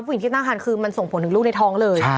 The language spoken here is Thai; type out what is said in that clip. ผู้หญิงที่ตั้งคันคือมันส่งผลถึงลูกในท้องเลย